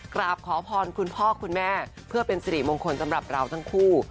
กราบขอพรคุณพ่อคุณแม่เพื่อเป็นสิริมงคลสำหรับเราทั้งคู่